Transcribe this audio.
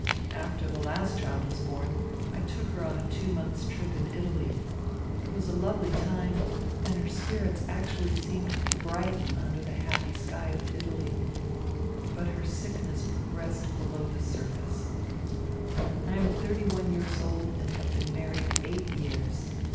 After the last child was born, I took her on a two months' trip in Italy. It was a lovely time, and her spirits actually seemed to brighten under the happy sky of Italy. But her sickness progressed below the surface. I am thirty one years old and have been married eight years.